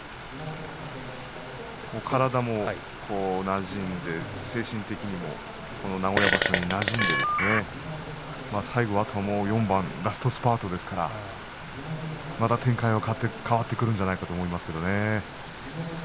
体も、なじんで精神的にも名古屋場所になじんであと４番ラストスパートですからまた展開は変わってくるんじゃないかと思いますけどね。